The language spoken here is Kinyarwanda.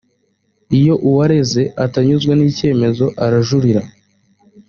iyo uwareze atanyuzwe n’ icyemezo arajurira.